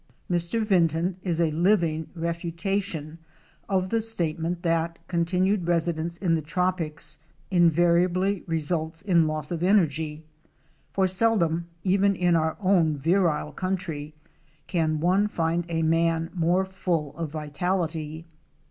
Mr. Vinton is a living refutation of the statement that continued residence in the tropics invariably results in loss of energy, for seldom, even in our own virile country, can one find a man more full of vitality.